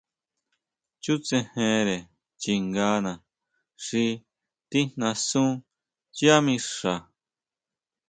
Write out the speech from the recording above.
Chútsejere chingana xi tijnasú yá mixa.